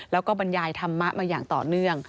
แล้วก็บรรยายธรรมะมาอย่างต่อเนื่อง